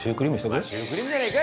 まあシュークリームじゃねえか？